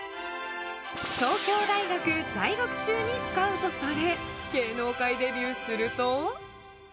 東京大学在学中にスカウトされ芸能界デビューすると。